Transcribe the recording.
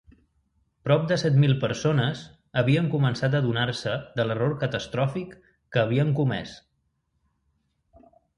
Prop de set mil persones havien començat a adonar-se de l'error catastròfic que havien comès.